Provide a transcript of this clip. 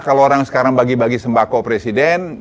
kalau orang sekarang bagi bagi sembako presiden